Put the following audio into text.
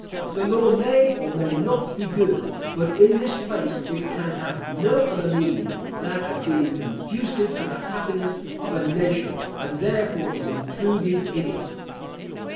The law may or may not be good; but, in this place, it can have no other meaning, than as being conducive to the happiness of a nation, and therefore is included in it.